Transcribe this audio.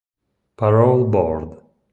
Parole Board.